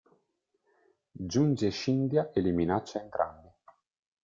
Giunge Scindia e li minaccia entrambi.